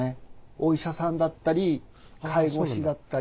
お医者さんだったり介護士だったり。